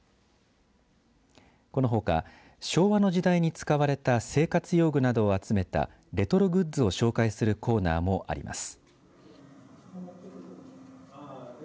このほか昭和の時代に使われた生活用具などを集めたレトログッズを紹介するコーナーもあります。